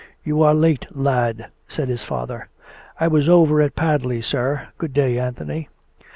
" You are late, lad," said his father. " I was over to Padley, sir. ... Good day, Anthony."